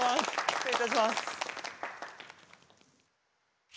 失礼いたします。